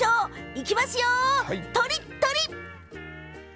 いきますよ、とりっとり！